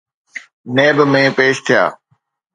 NAB ۾ پيش ٿيا.